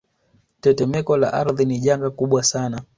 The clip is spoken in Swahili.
Tetemeko la ardhi ni janga kubwa sana